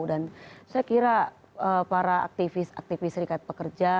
dan saya kira para aktivis aktivis serikat pekerja